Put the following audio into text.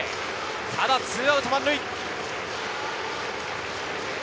ただ２アウト満塁。